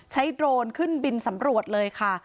โดรนขึ้นบินสำรวจเลยค่ะ